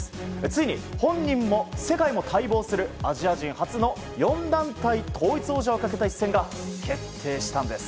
ついに本人も世界も待望するアジア人初の４団体統一王者をかけた一戦が決定したんです。